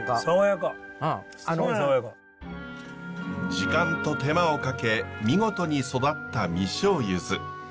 時間と手間をかけ見事に育った実生ゆず。